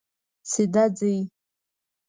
سیده ځئ